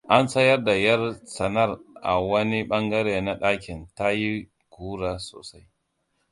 An tsayar da yar tsanar a wani bangare na dakin, ta yi kura sosai.